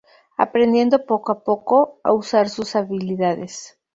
Aprendiendo poco a poco a usar sus habilidades.